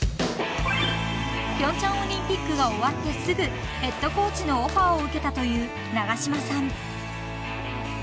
［平昌オリンピックが終わってすぐヘッドコーチのオファーを受けたという長島さん］